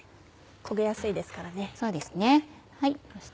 焦げやすいですからね。